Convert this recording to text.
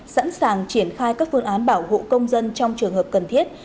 sẵn sàng triển khai các phương án bảo hộ công dân trong trường hợp cần thiết